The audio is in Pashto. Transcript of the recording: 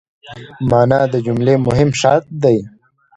مانا د جملې مهم شرط دئ.